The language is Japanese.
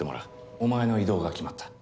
お前の異動が決まった。